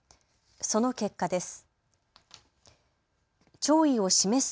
その結果です。